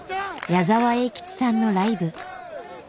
矢沢永吉さんのライブ。